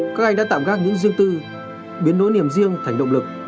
các anh đã tạm gác những riêng tư biến nối niềm riêng thành động lực